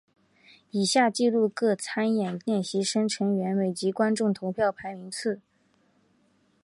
以下记录各参演练习生成员每集观众投票排名名次。